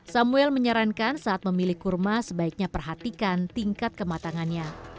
samuel menyarankan saat memilih kurma sebaiknya perhatikan tingkat kematangannya